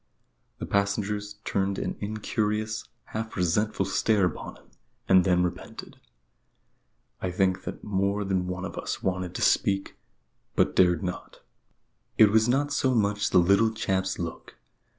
The passengers turned an incurious, half resentful stare upon him, and then repented. I think that more than one of us wanted to speak, but dared not. It was not so much the little chap's look.